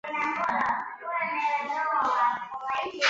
抚仙粘体虫为粘体科粘体虫属的动物。